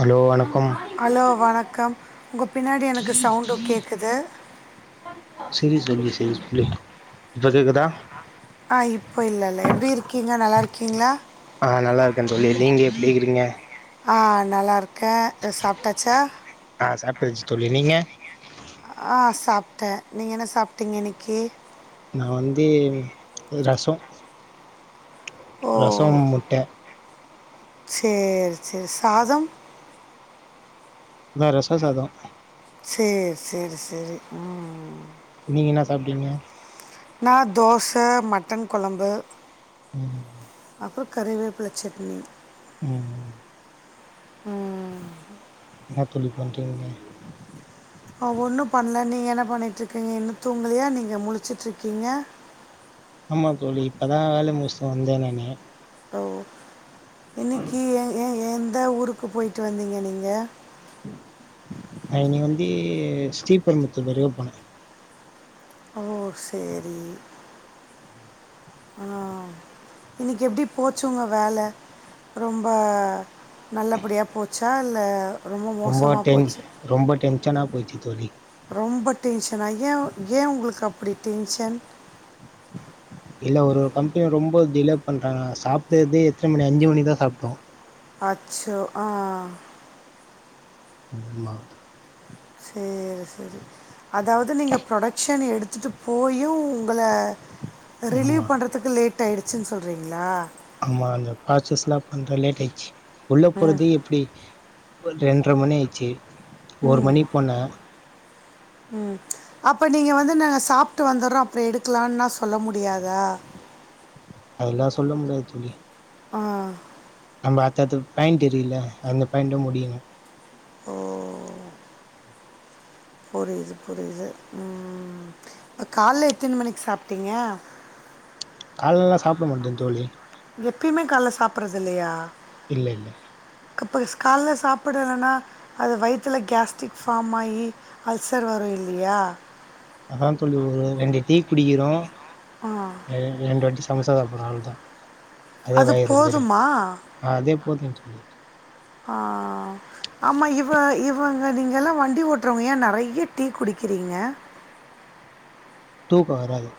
Hello வணக்கம் hello வணக்கம் உங்க பின்னாடி எனக்கு சவுண்டு கேக்குது செரி தோழி செரி தோழி இப்ப கேக்குதா ஆ இப்போ இல்லல்ல எப்புடி இருக்கீங்க நல்லா இருக்கீங்ளா ஆ நல்லா இருக்கே தோழி நீங்க எப்டி இருக்கீங்க ஆ நல்லா இருக்கே சாப்ட்டாச்சா ஆ சாப்டாச்சு தோழி நீங்க ஆ சாப்ட்டே நீங்க என்ன சாப்ட்டீங்க இன்னக்கி நா வந்து ரசோ ஓ ரசோ முட்ட சேர் சேரி சாதம் நா ரசோ சாதோ சேர் சேரி செரி ம் ம் நீங்க என்ன சாப்டீங்க நா தோச மட்டன் கொழம்பு ம் அப்றோ கருவேப்புல சட்னி ம் ம் ம் என்ன தோழி பண்றீங்க ஆ ஒண்ணு பண்ல நீங்க என்ன பண்ணிட்ருக்கீங்க இன்னு தூங்கலையா நீங்க முழச்சுட்ருக்கீங்க ஆமா தோழி இப்பதா வேல முடுச்சுட்டு வந்தே நானு ஓ இன்னைக்கி ஏ ஏ எந்த ஊருக்கு பொய்ட்டு வந்தீங்க நீங்க நா இன்னைக்கு வந்து ஸ்ரீபெரம்பத்தூர் வரையு போனே ஓ செரி ஆ இன்னைக்கி எப்டி போச்சு உங்க வேல ரொம்ப நல்லப்படியா போச்சா இல்ல ரொம்ப டென் ரொம்ப டென்ஷனா போச்சு தோழி ரொம்ப டென்ஷனா ஏ ஏ உங்களுக்கு அப்புடி டென்ஷன் இல்ல ஒரு ஒரு கம்பெனி ரொம்ப டிலே பண்றாங்க சாப்ட்டதே எத்தன மணி அஞ்சு மணிதா சாப்ட்டோ அச்சோ ஆ என்ன மா து சேரி சேரி அதாவது நீங்க ப்ரொடக்க்ஷன் எடுத்துட்டு போயு உங்கள ஆமா ரிலீவ் பண்ணுறதுக்கு லேட் ஆயிடுச்சுனு சொல்றீங்களா ஆமா அந்த ப்ரஸஸ்லா பண்ற லேட் ஆயிடுச்சு உள்ள போறது எப்டி ரெண்டர மணி ஆயிச்சு ஒரு மணிக்கு போன ம் அப்ப நீங்க வந்து நாங்க சாப்ட்டு வந்துடுறோ அப்றோ எடுக்கலான்னா சொல்ல முடியாதா அதுலா சொல்ல முடியாது தோழி ஆ நம்ம அடுத்தடுத்து பாயிண்ட் இருக்குல அந்த பாயிண்ட்டு முடிக்கனு புரியுது புரியுது ம் இப்ப கால்ல எத்தன மணிக்கு சாப்ட்டீங்க காலெல்லா சாப்பட மாட்ட தோழி எப்பயுமே கால்ல சாப்பறது இல்லையா இல்ல இல்ல கப்பைஸ் கால்ல சாப்பிடலனா அது வயித்தில கேஸ்ட்ரிக் ஃபார்ம் ஆயி அல்சர் வரு இல்லையா அதா தோழி ஒரு ரெண்டு டீ குடிக்கிறோ ஆ எ ரெண்டு வாட்டி சம்சா சாப்புற ஆவ்ள்தா அதே அது வயிறு ரொம்பிரு போதுமா ஆ அதே போது தோழி ஆ ஆ ஆ ஆமா இவ இவுங்க நீங்கலா வண்டி ஓட்டுறவங்க ஏ நறைய டீ குடிக்கிறீங்க தூக்கோ வராது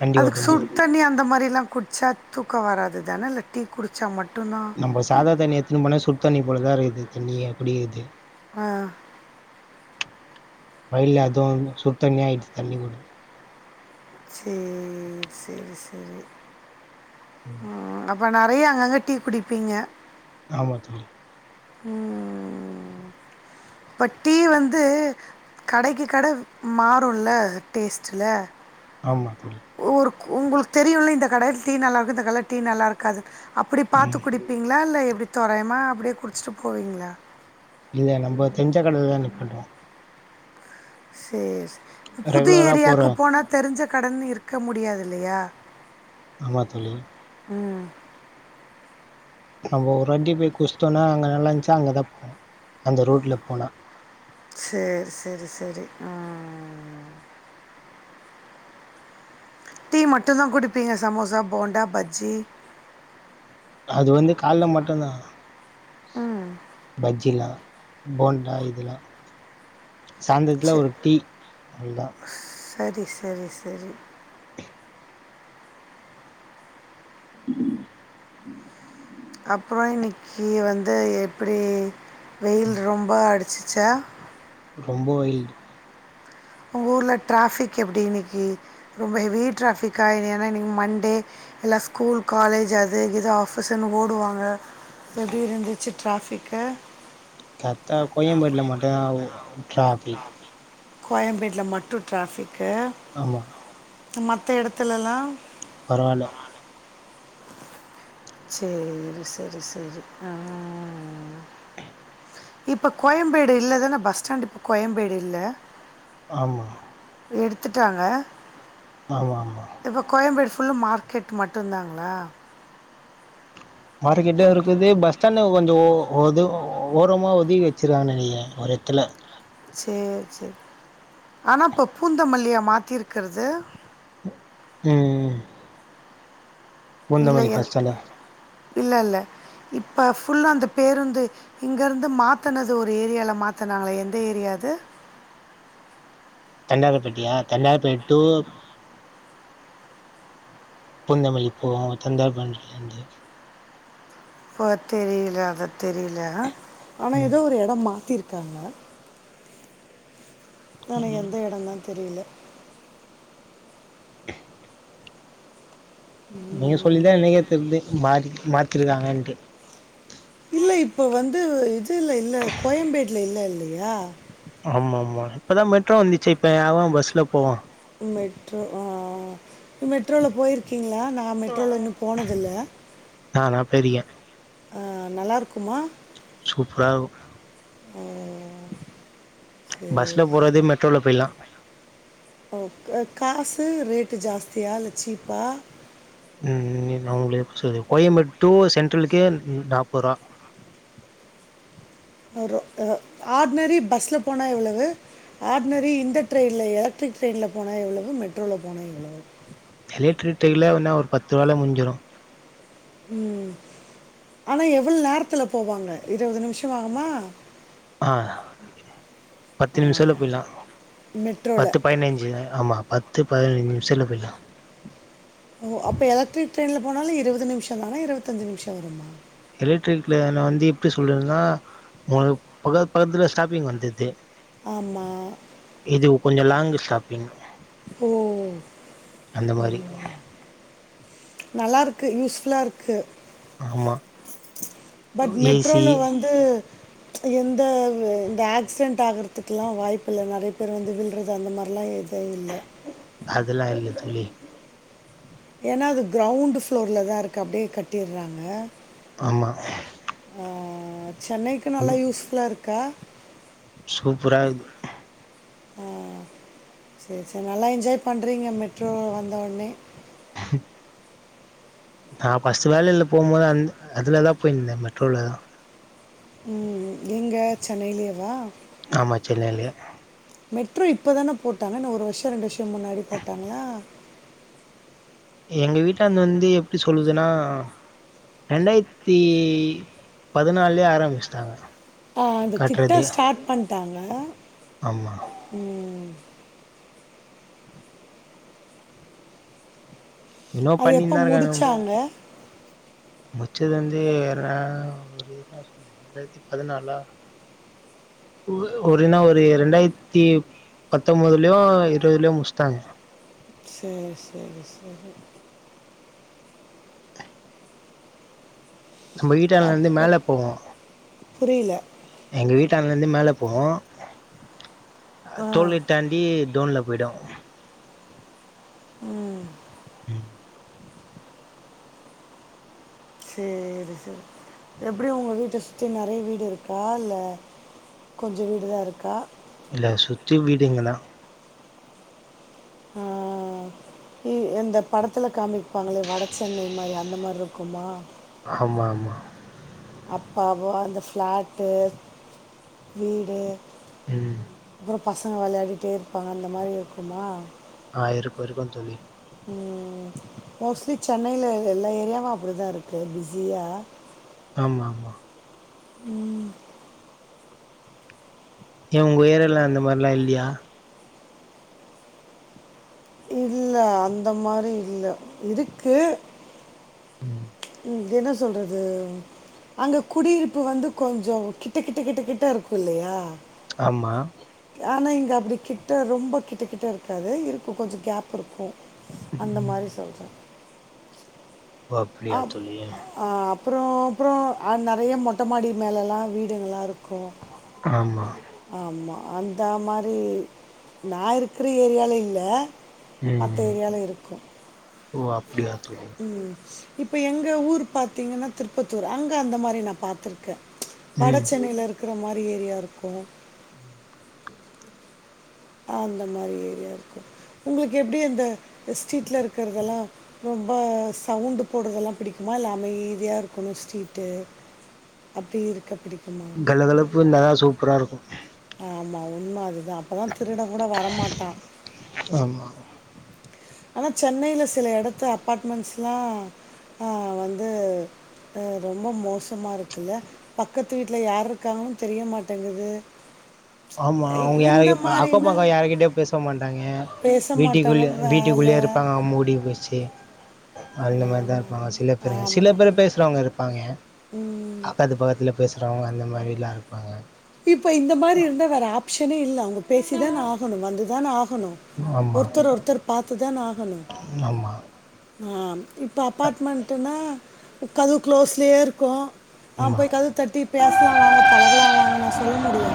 வண்டி அதுக்கு ஓட்டும் போது சுடுத் தண்ணி அந்த மாரிலா குடிச்சா தூக்கோ வராதுதான இல்ல டீ குடிச்சா மட்டுதா நம்ம சாதா தண்ணி எத்துனு போனா சுடுத் தண்ணி போலதா இருக்குது தண்ணியே அப்டி இருக்து ஆ வெயில்ல அதுவு சுடுத் தண்ணி ஆய்டுது தண்ணி கூட சேரி சேரி சேரி அ அப்போ நறைய அங்கங்கே டீ குடிப்பீங்க ஆமா தோழி ம் இப்ப டீ வந்து கடைக்கு கட மாறுல டேஸ்ட்டுல ஆமா ஒரு க் உங்களுக்கு தெரியுல்ல இந்த கடையில டீ நல்லா இருக்கு இந்த கடயில டீ நல்லா இருக்காது அப்படி பாத்து குடி ப்பிங்களா இல்ல எப்டி தோறையமா அப்படே குடிச்சிட்டு போவீங்களா இல்ல நம்ம தெருஞ்சக்கடையில தா நிப்பாட்டுவோ சேரி புது ரெகுலரா போற ஏரியாக்கு போனா தெரிஞ்ச கடனு இருக்க முடியாது இல்லையா ஆமா தோழி ம் நம்ப ஒரு வாட்டி போய் குடுச்சுடோணா அங்க நல்லா இருந்துச்சா அங்க தா போவோ அந்த ரூட்ல போனா சேரி சேரி சேரி ம் ம் டீ மட்டுதா குடுப்பீங்க சமோசா போண்டா பஜ்ஜி அது வந்து கால்ல மட்டுதா பஜ்ஜிலா போண்டா இதுல்லா சாய்ந்தரத்தில்ல ச ஒரு டீ அவோள்தா சரி சரி சரி உம் அப்றோ இன்னைக்கு வந்து எப்டி வெயில் ரொம்ப அடிச்சிச்சா ரொம்போ வெயில் ஒங்கூர்ல ட்ராபிக் எப்டி இன்னைக்கி ரொம்ப ஹெவி ட்ராபிக்கா இல்ல ஏனா இன்னைக்கு மண்டே எல்லா ஸ்கூல் காலேஜ் அது இது ஆஃபீஸ்ன்னு ஓடுவாங்க எப்டி இருந்துச்சு டிராபிக்கு கர்ட்டா கோயம்பேட்ல மட்டு்ந்தா ட்ராபிக் கோயம்பேட்ல மட்டு ட்ராபிக்கு ஆமா மத்த எடத்துலல்லா பரவால சேரி செரி செரி ஆ ஆ ஆ ஆ இப்ப கோயம்பேடு இல்லதானா பஸ் ஸ்டாண்ட் இப்ப கோயம்பேடு இல்ல ஆமா எடுத்துட்டாங்க ஆமாமா இப்போ கோயம்பேடு ஃபுல் மார்க்கெட் மட்டுந்தாங்களா மார்க்கெட்லயு இருக்குது பஸ்ஸ்டாண்ட்ல கொஞ்சோ ஒது ஓரமா ஒதுகி வச்சருவாங்கன் நெனைக்குற ஒரு எத்துல சேரி செர் ஆனா இப்போ பூந்தமல்லியா மாத்திருக்கறது ம் இல்ல பூந்தமல்லி பஸ் என் ஸ்டாண்டு இல்லல்ல இப்ப ஃபுல்லா அந்த பேருந்து இங்கருந்து மாத்தனது ஒரு ஏரியால மாத்துனாங்களே எந்த ஏரியா அது தண்டாரபேட்டையா தண்டாரப்பேட் டு பூந்தமல்லி போகு தண்டாரபாண்டிலந்து ப்போ தெரியல அத தெரியல ஆனா எதோ ஒரு எடோ மாத்திருக்காங்க ஆனா எந்த எடோன்தா தெரியல நீங்க சொல்லிதா உம். எனக்கே தெரிது மாறி மாத்திருக்காங்கன்ட்டு இல்ல இப்போ வந்து இதுல இல்ல கோயம்பேட்ல இல்ல இல்லையா ஆமா ஆமா இப்பதா மெட்ரோ வந்துச்சே இப்போ எவெ பஸ்ல போவா மெட்ரோ அ அ நீ மெட்ரோல போயிருக்கீங்களா நா நா மெட்ரோல இன்னு போனதுல்ல நானா போயிருக்கேன் ஆ நல்லாருக்குமா சூப்பராகு ஓ ஓ ஓ ஓ பஸ்ல போறதே மெட்ரோல போய்லா ஓக் அ காசு ரேட்டு ஜாஸ்தியா இல்ல சீப்பா ம் நா உங்ளுக்கு எப்டி சொல்றது கோயம்பேட் டூ சென்ட்ரலுக்கே நாப்பர்வா ஒரு ஒ ஆட்னரி பஸ்ல போனா எவ்ளவு ஆட்னரி இந்த ட்ரெயின்ல எலக்ட்ரிக் ட்ரெயின்ல போனா எவ்ளவு மெட்ரோல போனா எவ்ளவு எலக்ட்ரிக் ட்ரெயின்ல வேணா ஒரு பத்து ரூவால முஞ்சிரு ம் ஆனா எவ்ளோ நேரத்துல போவாங்க இருவது நிமிஷம் ஆகுமா அ பத்து நிமிஷத்ல போய்லா மெட்ரோவில் பத்து பதினஞ்சு ஆமா பத்து பதினைஞ்சு நிமிஷத்ல போயிட்லா ஓ அப்ப எலக்ட்ரிக் ட்ரெயின்ல போனாலு இருவது நிமிஷம் தானா இருவத்தஞ்சு நிமிஷம் வருமா எலக்ட்ரிக் லைன்ல வந்து எப்டி சொல்றதுன்னா உங்களுக் பக்கத்து பக்கத்துலயே ஸ்டாப்பிங் வந்துட்து ஆமா இது கொஞ்ச லாங்கு ஸ்டாப்பிங் ஓ அந்த ம் மாரி நல்லாருக்கு யூஸ்ஃபுல்லா இருக்கு ஆமா பட் ஏசி மெட்ரோல வந்து எந்த இந்த ஆக்சிடென்ட் ஆகுறதுக்கெல்லா வாய்ப்பில்ல நெறைய பேர் வந்து விழ்றது அந்த மாரில்லா எது மே இல்ல அதுல்லா இல்ல தோழி ஏன்னா இது கிரௌண்டு ஃப்ளோர்ல தா இருக்கு அப்டியே கட்டிர்றாங்க ஆமா ஆ சென்னைக்கு நல்லா யூஸ்ஃபுல்லா இருக்கா சூப்பரா இருக்குது ஆ செரி செரி நல்லா என்ஜாய் பண்றீங்க மெட்ரோ வந்தவொன்னே நா ஃபஸ்ட்டு வேலையில போம்போது அந் அதுலதா போயிருந்த மெட்ரோலதா ம் எங்க சென்னையிலேவா ஆமா சென்னையிலே மெட்ரோ இப்ப தான போட்டாங்க என்ன ஒரு வருஷ ரெண்டு வருஷம் முன்னாடி போட்டாங்களா எங்க வீட்டாண்ட வந்து எப்டி சொல்லுதுன்னா ரெண்டாயிரத்தி பதினால்லயே ஆரம்பிச்சிட்டாங்க ஆ அந்த திட்ட ஸ்டார்ட் பண்ட்டாங்க ஆமா ம் இன்னு அது எப்போ பண்ணின்தா இருக்காங்க முடிச்சாங்க முச்சது வந்து ர ஒரு ரெண்டாயிரத்தி பதினாலா ஒரு ஒருனா ஒரு ரெண்டாயிரத்தி பத்தொம்போதுலயோ இருவதுலயோ முடிஸ்ட்டாங்க சேர் சேரி சேரி நம்ம வீட்டான்டலருந்து அப்போ மேல போவு புரியல எங்க வீட்டான்டலருந்து மேல போவு ஆ டோல்கேட் தாண்டி டோன்ல போயிடு ம் ம் சேரி சேரி எப்டி உங்க வீட்ட சுத்தி நெறைய வீடு இருக்கா இல்ல கொஞ்ச வீடுதா இருக்கா இல்ல சுத்தி வீடுங்கதா ஆ ஏ அந்த படத்துல காமிப்பாங்களே வட சென்னை மாரி அந்த மாரி இருக்குமா ஆமா ஆமா அப்பாவோ அந்த ஃபிளாட்டு வீடு ம் அப்புற பசங்க வெளையாடிட்டே இருப்பாங்க அந்த மாரி இருக்குமா ஆ இருக்கு இருக்கு தோழி ம் மோஸ்ட்லி சென்னைல எல்லா ஏரியாவு அப்டிதா இருக்கு பிஸியா ஆமா ஆமா ம் ஏ உங்க ஏரியால அந்த மாரிலா இல்லையா இல்ல அந்த மாரி இல்ல இருக்கு ம் இது என்ன சொல்றது அங்க குடியிருப்பு வந்து கொஞ்சொ கிட்ட கிட்ட கிட்ட கிட்ட இருக்கு இல்லையா ஆமா ஆனா இங்க அப்டி கிட்ட ரொம்ப கிட்டக்கிட்ட இருக்காது இருக்கு கொஞ்சொ கேப் இருக்கு அந்த மாரி சொல்ற ஓ அப்டியா அப் தோழி ஆ அப்றோ அப்றோ நெறைய மொட்ட மாடி மேலல்லா வீடுங்கல்லா இருக்கு ஆமா ஆமா அந்த மாரி நா இருக்குற ஏரியால இல்ல மத்த ம் ஏரியால இருக்கு ஓ அப்டியா தோழி ம் இப்ப எங்க ஊர் பாத்தீங்கன்னா திருப்பத்தூர் அங்க அந்த மாரி நா பாத்ருக்க வட ம் சென்னைல இருக்குற மாரி ஏரியா இருக்கு அந்த மாரி ஏரியா இருக்கு உங்ளுக்கு எப்டி அந்த ஸ்ட்ரீட்ல இருக்கிறதெல்லா ரொம்ப சவுண்ட் போடுறதெல்லா பிடிக்குமா இல்ல அமைதியா இருக்கணு ஸ்ட்ரீட்டு அப்டி இருக்கு அப்டி கலகலப்பு இருந்தாதா சூப்பரா இருக்கு ஆமா உண்ம அதுதா அப்போதா திருடங் கூட வரமாட்டா ஆமா ஆனா சென்னைல சில எடத்து அப்பார்ட்மெண்ட்ஸ்ல்லா ஆ வந்து ஆ ரொம்ப மோசமா இருக்குல்ல பக்கத்து வீட்ல யார் இருக்காங்கன்னு தெரிய மாட்டேங்குது ஆமா இ- அவங்க இந்த யாரயு இப்ப மாதிரினா அக்கப்பக்கோ யாருக்கிட்டயு பேச மாட்டாங்க பேச மாட்டாங்க வீட்டுக்குள்ள வீட்டுக் வேலை குல்லையே இருப்பாங்க மூடி [unintelligible] அந்த மாரிதா இருப்பாங்க ஆமாம் சில பேருங்க சில ஆமாம் பேரு பேசுறவங்க இருப்பாங்க ம் அக்கத்து பக்கத்துல பேசுறவங்க அந்த மாரில இருப்பாங்க இப்ப இந்த மாரி இருந்தா வேறு ஆப்ஷனே இல்ல அவங்க பேசி தான ஆகணு வந்து தான ஆகணு ஆமா ஒருத்தர் ஒருத்தர் பாத்துதான ஆகணு ஆமா ஆ இப்போ அப்பார்ட்மெண்ட்டுன்னா கதவு க்ளோஸ்லயே இருக்கு ஆ ஆமா போய் கதவு தட்டி பேசலா வாங்க பழகலா வாங்க நா சொல்ல முடியு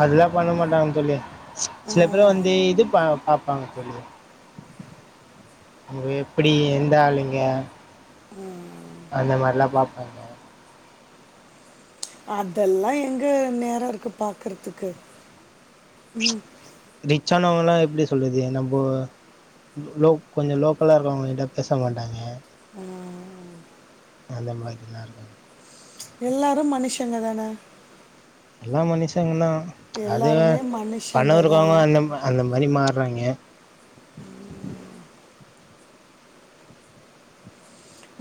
அதெல்லா பண்ண மாட்டாங்கன்னு சொல்லி ஆ, சில பேரு வந்து இது பா பாப் ஆ சரிங்க ங்க எப்டி எந்த ஆளுங்க அந்த மாரிலா பாப்பாங்க அதெல்லா எங்க நேரொ இருக்கு பாக்குறதுக்கு ம் ரிச் ஆனவங்கலா எப்டி சொல்லுது நம்ம லோக் கொஞ்ச லோக்கலா இருக்குறவங்க கிட்ட பேச மாட்டாய்ங்க ஆ அந்த மாதிரிலா இருக்கு எல்லாரு மனுஷங்க தானே எல்லா மனுஷங்க தா அது வேர எல்லாருமே மனுஷங்க பணோ இருக்கவங்க தான் அந்த அந்த மாரி மாறாய்ங்க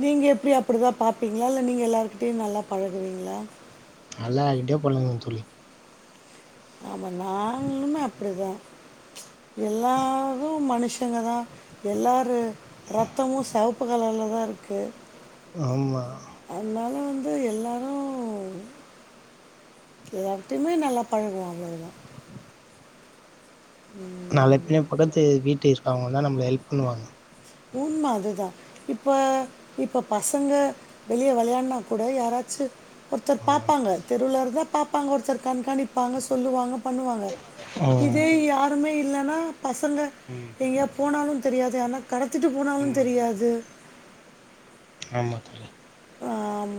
நீங்க எப்டி அப்டிதா பாப்பீங்களா இல்ல நீங்க எல்லார்கிட்டயு நல்லா பழகுவிங்ளா அல்லார்கிட்டயு பழகுவ தோழி ஆம நாங்களுமே அப்டிதா எல்லாரு மனுஷ சங்க தா எல்லார் ரத்தமு செவப்பு கலர்ல தா இருக்கு ஆமா அதனால வந்து எல்லாரு எல்லார்ட்டையுமே நல்லா பழகுவோ அவ்ளவுதா ம் நால பிண்ண பக்கத்து வீட்டு இருக்கவங்க தா நம்மள ஹெல்ப் பண்ணுவாங்க உண்ம அதுதா இப்ப இப்ப பசங்க வெளிய வெளையான்னா கூட யாராச்சு ஒருத்தர் ஆமா பாப்பாங்க தெருல இருந்தா பாப்பாங்க ஒருத்தர் கண்காணிப்பாங்க சொல்லுவாங்க பண்ணுவாங்க ம் இதே யாருமே இல்லன்னா பசங்க ம் நீங்க போனாலு தெரியாது யார்ணா கடத்திட்டு போனாலு ஆமா தெரியாது ஆமா தொழி ஆம்